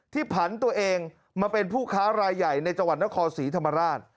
ผันตัวเองมาเป็นผู้ค้ารายใหญ่ในจังหวัดนครศรีธรรมราช